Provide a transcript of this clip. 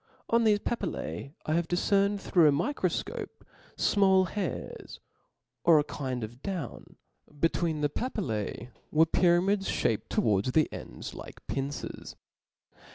On thefe papillae, I have difcerned through a microfcope, fmall hairs or a kind of down J between the papillse were pyramids fhaped towards the ends like pincers.